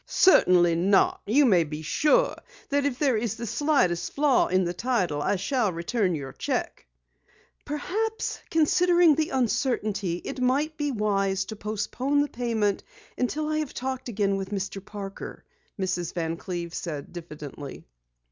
"Certainly not! You may be sure that if there is the slightest flaw in the title, I shall return your cheque." "Perhaps, considering the uncertainty, it might be wise to postpone payment until I have talked again with Mr. Parker," Mrs. Van Cleve said diffidently.